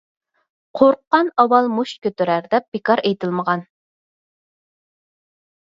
«قورققان ئاۋۋال مۇشت كۆتۈرەر» دەپ بىكار ئېيتىلمىغان.